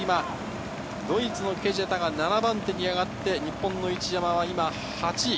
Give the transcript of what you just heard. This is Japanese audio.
ドイツのケジェタが７番手に上がって、日本の一山は今、８位。